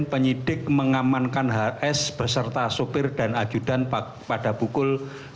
penyidik mengamankan hs beserta sopir dan ajudan pada pukul dua puluh tiga puluh